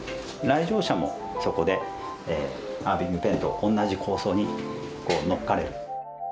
来場者もそこでアーヴィング・ペンと同じ構想に乗っかれる。